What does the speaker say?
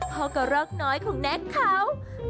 เพราะก็เลิกน้อยของแน็คเขา